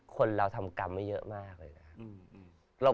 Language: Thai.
คนเราทำกรรมเยอะมากเลยนะฮะ